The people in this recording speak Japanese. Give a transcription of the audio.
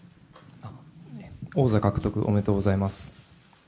王座獲得おめでとうございます。